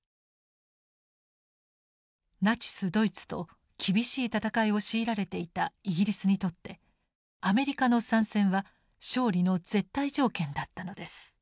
ナチスドイツと厳しい戦いを強いられていたイギリスにとってアメリカの参戦は勝利の絶対条件だったのです。